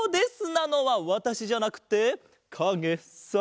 なのはわたしじゃなくてかげさ。